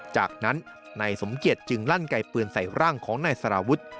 จากนั้นนายสมเกียจจึงลั่นไกลปืนใส่ร่างของนายสารวุฒิ